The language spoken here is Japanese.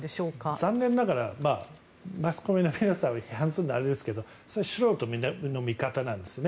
残念ながらマスコミの皆さんを批判するのはあれですけど素人の見方なんですね。